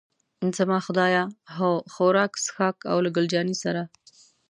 زما خدایه، هو، خوراک، څښاک او له ګل جانې سره.